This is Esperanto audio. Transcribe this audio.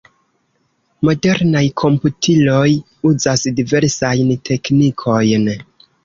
Modernaj komputiloj uzas diversajn teknikojn.